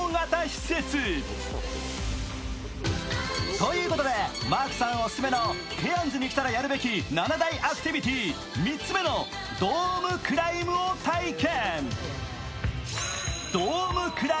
ということで、マークさんおすすめのケアンズに来たらやるべき七大アクティビティー、３つ目のドームクライムを体験。